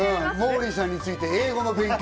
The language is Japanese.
モーリーさんについて英語の勉強。